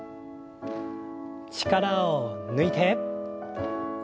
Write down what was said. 力を抜いて。